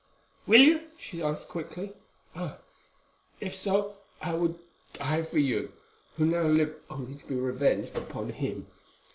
"Will you?" she asked quickly. "Ah! if so, I would die for you, who now live only to be revenged upon him.